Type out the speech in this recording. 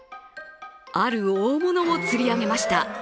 ある大物を釣り上げました。